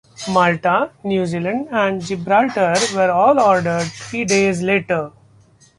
"Malta", "New Zealand" and "Gibraltar" were all ordered three days later.